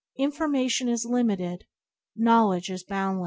Information is limited; knowledge is boundless.